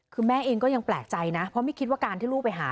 คือแม่เองก็ยังแปลกใจนะเพราะไม่คิดว่าการที่ลูกไปหา